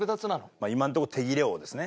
まあ今のところ手切れ王ですね。